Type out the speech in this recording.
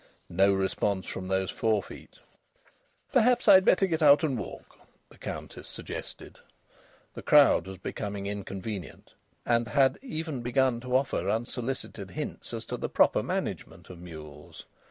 No response from those forefeet! "Perhaps I'd better get out and walk," the Countess suggested. The crowd was becoming inconvenient, and had even begun to offer unsolicited hints as to the proper management of mules.